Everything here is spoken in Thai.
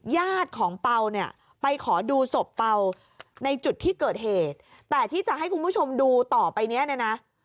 ญาติของเปล่าเนี่ยไปขอดูศพเป่าในจุดที่เกิดเหตุแต่ที่จะให้คุณผู้ชมดูต่อไปเนี้ยนะ